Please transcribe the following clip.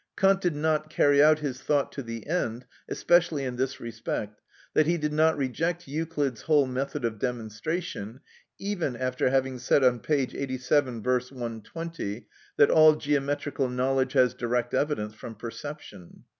Kant did not carry out his thought to the end, especially in this respect, that he did not reject Euclid's whole method of demonstration, even after having said on p. 87; V. 120, that all geometrical knowledge has direct evidence from perception.